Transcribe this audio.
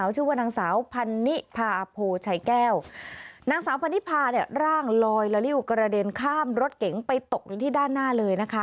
ชื่อว่านางสาวพันนิพาโพชัยแก้วนางสาวพันนิพาเนี่ยร่างลอยละริ้วกระเด็นข้ามรถเก๋งไปตกอยู่ที่ด้านหน้าเลยนะคะ